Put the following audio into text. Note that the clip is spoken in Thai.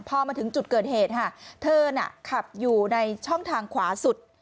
พอมาถึงจุดเกิดเหตุค่ะเธอน่ะขับอยู่ในช่องทางขวาสุด